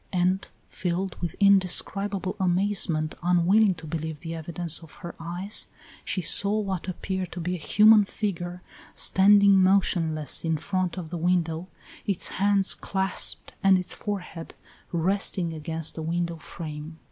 And filled with indescribable amazement, unwilling to believe the evidence of her eyes, she saw what appeared to be a human figure standing motionless in front of the window, its hands clasped and its forehead resting against the window frame.